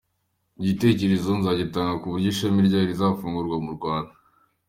Igitekerezo nzagitanga ku buryo ishami ryaryo rizafungurwa mu Rwanda.